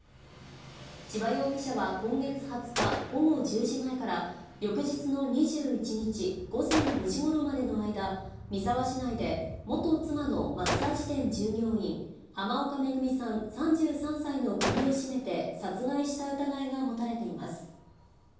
千葉容疑者は今月２０日午後１０時前から、翌日の２１日午前５時ごろまでの間、三沢市内で元妻のマッサージ店従業員、濱岡恵さん３３歳の首を絞めて殺害した疑いが持たれています。